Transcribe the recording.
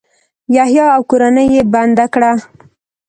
یحیی او کورنۍ یې بنده کړه.